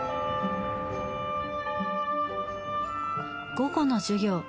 午後の授業。